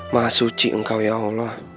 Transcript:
maha suci engkau ya allah